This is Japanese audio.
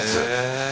え。